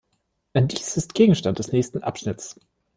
Dies ist Gegenstand des nächsten Abschnitts.